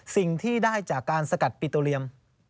สิ่งที่ได้จากการสกัดปิโตเรียม